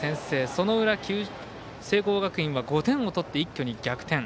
その裏、九州学院は５点を取って一挙に逆転。